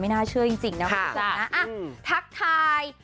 ไม่น่าเชื่อจริงนะพี่สวัสดีค่ะนะอ่ะทักทาย